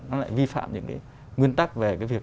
nó lại vi phạm những cái nguyên tắc về cái việc